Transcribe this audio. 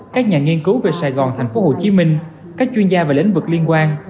các nhà nghiên cứu về sài gòn tp hcm các chuyên gia về lĩnh vực liên quan